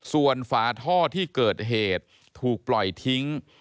ส่วนฝาท่อที่เกิดเหตุถูกปล่อยทิ้ง